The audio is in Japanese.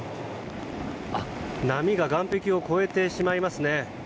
波が岸壁を越えてしまいますね。